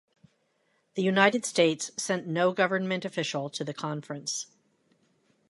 The United States sent no government official to the conference.